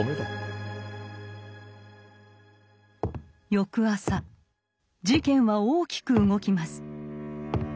翌朝事件は大きく動きます。